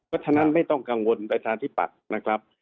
เพราะฉะนั้นไม่ต้องกังวลประชาธิปัตย์นะครับ